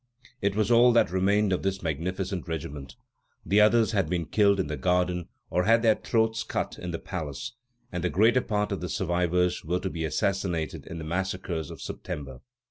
It was all that remained of this magnificent regiment. The others had been killed in the garden or had their throats cut in the palace, and the greater part of the survivors were to be assassinated in the massacres of September.